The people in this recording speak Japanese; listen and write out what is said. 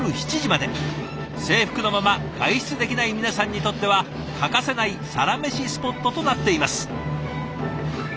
制服のまま外出できない皆さんにとっては欠かせないサラメシスポットとなっています。